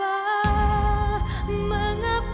aku gak mau papa